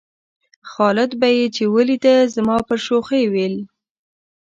خالد به یې چې ولېده زما پر شوخۍ ویل.